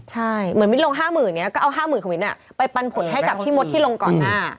ใช่เหมือนมิ้นลง๕๐๐๐เนี่ยก็เอา๕๐๐๐ของมิ้นไปปันผลให้กับพี่มดที่ลงก่อนหน้า